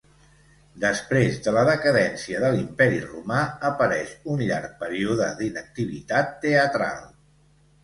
Després de la decadència de l'imperi Romà apareix un llarg període d'inactivitat teatral.